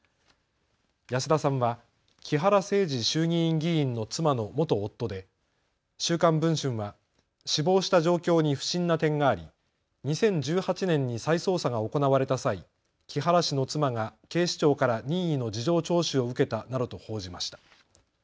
安田さんは木原誠二衆議院議員の妻の元夫で週刊文春は死亡した状況に不審な点があり、２０１８年に再捜査が行われた際、木原氏の妻が警視庁から任意の事情聴取を受けたなどと報じました。